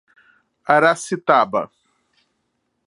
Aracitaba